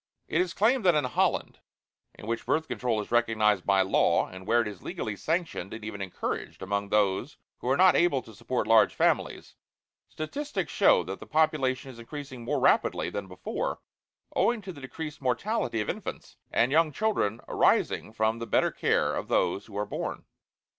It is claimed that in Holland, in which Birth Control is recognized by law, and where it is legally sanctioned and even encouraged among those who are not able to support large families, statistics show that the population is increasing more rapidly than before, owing to the decreased mortality of infants and young children arising from the better care of those who are born.